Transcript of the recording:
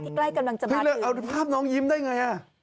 ที่ใกล้กำลังจะมาถึงเอาภาพน้องยิ้มได้ไง